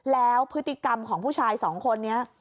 แล้วพฤติกรรมของผู้ชายสองคนนี้